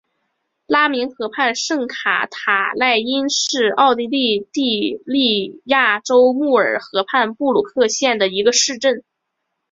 拉明河畔圣卡塔赖因是奥地利施蒂利亚州穆尔河畔布鲁克县的一个市镇。